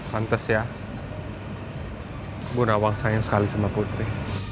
pantes ya bu nawang sayang sekali sama putri